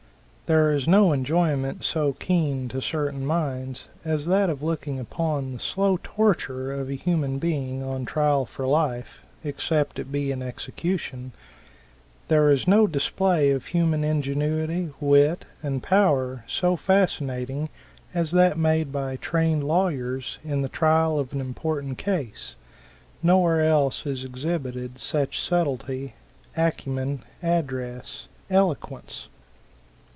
There is no enjoyment so keen to certain minds as that of looking upon the slow torture of a human being on trial for life, except it be an execution; there is no display of human ingenuity, wit and power so fascinating as that made by trained lawyers in the trial of an important case, nowhere else is exhibited such subtlety, acumen, address, eloquence.